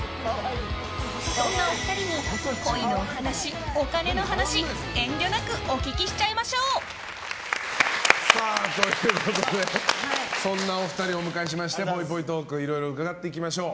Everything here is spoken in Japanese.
そんなお二人に恋のお話、お金のお話遠慮なくお聞きしちゃいましょ！ということでそんなお二人をお迎えしましてぽいぽいトークいろいろ伺っていきましょう。